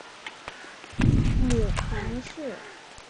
母庞氏。